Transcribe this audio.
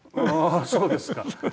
ああそうですか。